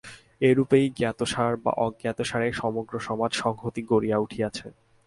এইরূপেই জ্ঞাতসারে বা অজ্ঞাতসারে সমগ্র সমাজ-সংহতি গড়িয়া উঠিয়াছে।